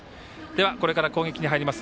これから攻撃に入ります